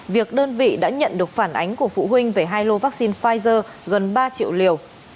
việc đơn vị đã nhận được phản ánh của phụ huynh về hai lô vaccine pfizer gần ba triệu liều